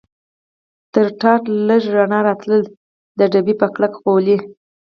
تر ټاټ لږ رڼا راتلل، د ډبې په کلک غولي.